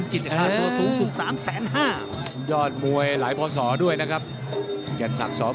ครับครับครับครับครับครับครับครับครับครับ